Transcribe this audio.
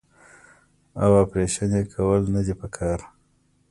او اپرېشن ئې کول نۀ دي پکار -